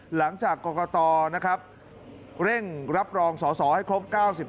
หลังจากกรกตนะครับเร่งรับรองสอสอให้ครบ๙๕